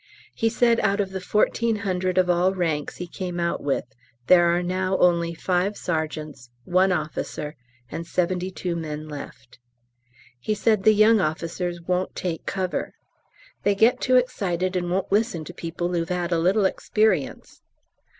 He said out of the 1400 of all ranks he came out with, there are now only 5 sergeants, 1 officer, and 72 men left. He said the young officers won't take cover "they get too excited and won't listen to people who've 'ad a little experience."